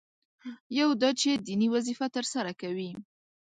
یو دا چې دیني وظیفه ترسره کوي.